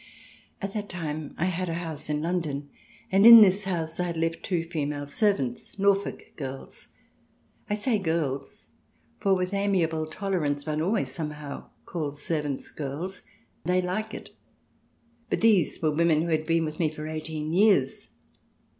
At that time I had a house in London, and in this house 1 had left two female servants, Norfolk girls — I say "girls," for with amiable tolerance one always somehow calls servants " girls "; they like it ; but these were women who had been with me CH. V] PAX GERMANICA 57 for eighteen years.